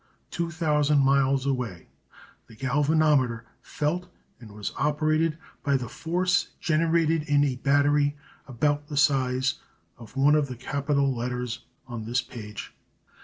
Two thousand miles away, the galvanometer felt and was operated by the force generated in a battery about the size of one of the capital letters on this page.